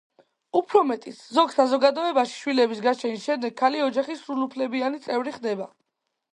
უფრო მეტიც, ზოგ საზოგადოებაში, შვილების გაჩენის შემდეგ, ქალი ოჯახის სრულუფლებიანი წევრი ხდება.